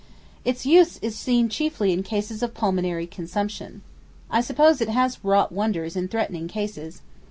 Its use is seen chiefly in cases of pulmonary consumption. I suppose it has wrought wonders in threatening cases.